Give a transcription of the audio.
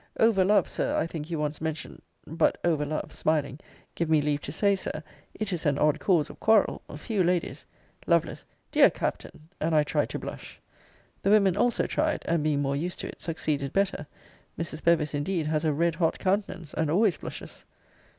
Over love, Sir, I think you once mention but over love [smiling] give me leave to say, Sir, it is an odd cause of quarrel few ladies Lovel. Dear Captain! And I tried to blush. The women also tried; and being more used to it, succeeded better. Mrs. Bevis indeed has a red hot countenance, and always blushes.